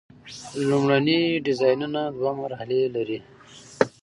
لومړني ډیزاینونه دوه مرحلې لري.